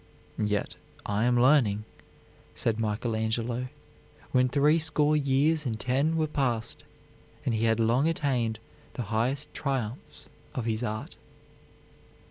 "Yet I am learning," said Michael Angelo, when threescore years and ten were past, and he had long attained the highest triumphs of his art.